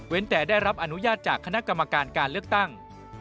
แต่ได้รับอนุญาตจากคณะกรรมการการเลือกตั้ง